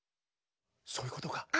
そういうことか。